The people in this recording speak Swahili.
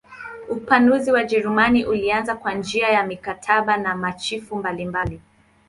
Upanuzi wa Wajerumani ulianza kwa njia ya mikataba na machifu mbalimbali.